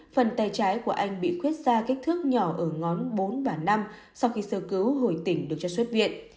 phần tay trái của anh bị khuét ra kích thước nhỏ ở ngón bốn và năm sau khi sơ cứu hồi tỉnh được cho xuất viện